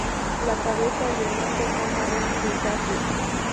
La cabeza y el manto son marrón-grisáceo.